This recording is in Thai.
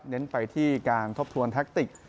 เน้นไปที่การทบทวนแท็กติก